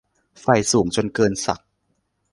ใฝ่สูงจนเกินศักดิ์